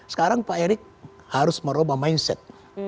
sekarang pak erick harus merubah mindset